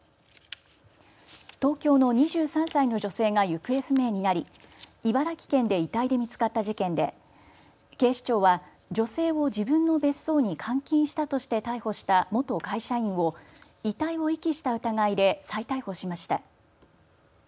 東京の２３歳の女性が行方不明になり茨城県で遺体で見つかった事件で警視庁は女性を自分の別荘に監禁したとして逮捕した元会社員を遺体を遺棄した疑いで再逮捕しました。